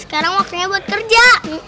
sekarang waktunya buat kerja